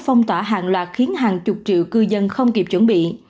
phong tỏa hàng loạt khiến hàng chục triệu cư dân không kịp chuẩn bị